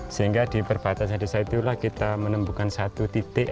sehingga di perbatasan desa itulah kita menemukan satu titik